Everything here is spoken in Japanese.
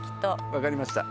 分かりました。